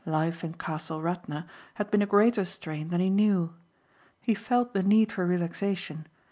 Life in Castle Radna had been a greater strain than he knew. He felt the need for relaxation.